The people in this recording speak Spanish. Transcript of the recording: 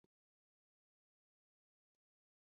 Finalmente prevaleció el primero.